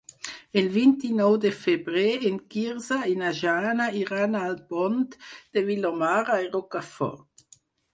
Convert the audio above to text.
El vint-i-nou de febrer en Quirze i na Jana iran al Pont de Vilomara i Rocafort.